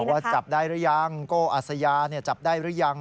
ว่าจับได้หรือยังโก้อัสยาจับได้หรือยัง